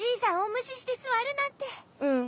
うん。